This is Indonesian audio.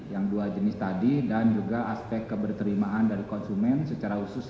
yang dua jenis tadi dan juga aspek keberterimaan dari konsumen secara khusus